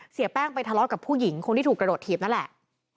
เสียแป้งไปทะเลาะกับผู้หญิงคนที่ถูกกระโดดถีบนั่นแหละ